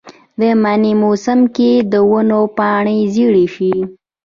د منې موسم کې د ونو پاڼې ژیړې شي.